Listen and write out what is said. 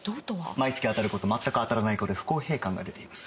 毎月当たる子と全く当たらない子で不公平感が出ています。